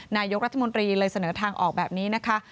นายกรัฐมนตรีเลยเสนอทางออกแบบนี้นะคะ